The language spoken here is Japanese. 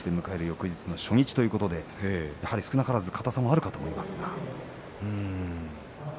優勝して迎える翌日の初日ということで少なからず硬さもあると思いますが。